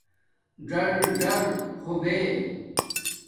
ژَرژر ہو بے